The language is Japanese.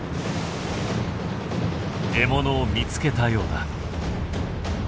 獲物を見つけたようだ。